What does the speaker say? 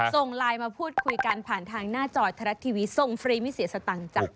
ส่งไลน์มาพูดคุยกันผ่านทางหน้าจอดธรรมดาโลกส่งฟรีไม่เสียสตังจักร